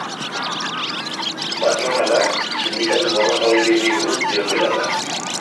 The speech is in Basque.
Patronalak sindikatu borrokalarienei buruz dioen bera da.